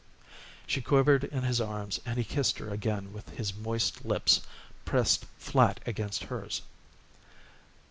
She quivered in his arms and he kissed her again with his moist lips pressed flat against hers.